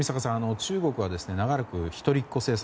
中国は長らく一人っ子政策